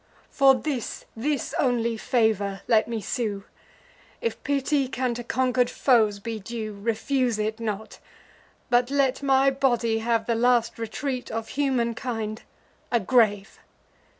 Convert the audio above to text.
For this, this only favour let me sue, If pity can to conquer'd foes be due: Refuse it not; but let my body have The last retreat of humankind, a grave.